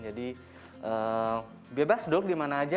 jadi bebas duduk di mana saja